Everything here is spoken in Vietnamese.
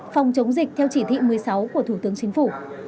phòng chống dịch theo chỉ thị một mươi sáu của thủ tướng chính phủ